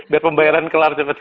biar pembayaran kelar cepet ya